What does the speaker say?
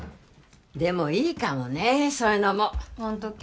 でもいいかもねそういうのもホントけ？